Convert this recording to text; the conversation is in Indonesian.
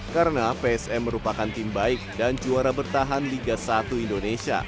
karena psm merupakan tim baik dan juara bertahan liga satu indonesia